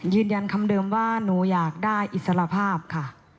ยืนยันคำเดิมว่าหนูอยากได้อิสรภาพค่ะ